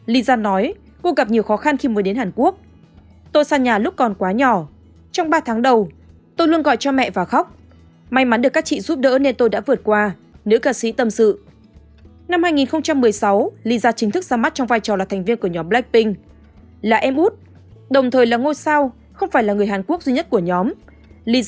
lisa nằm trong nhóm hai mươi ca sĩ hàn quốc được yêu thích nhất ở nước ngoài